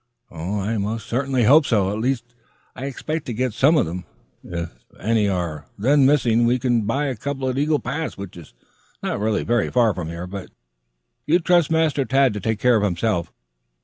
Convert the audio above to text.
"I most certainly hope so. At least, I expect to get some of them. If any are then missing, we can buy a couple at Eagle Pass, which is not very far. But you trust Master Tad to take care of himself.